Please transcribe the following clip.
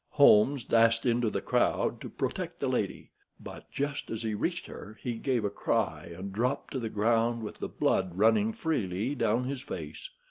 Holmes dashed into the crowd to protect the lady; but, just as he reached her, he gave a cry and dropped to the ground, with the blood running freely down his face.